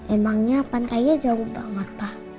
emangnya pantainya jauh banget pak